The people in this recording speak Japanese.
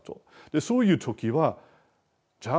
そういう時はじゃあ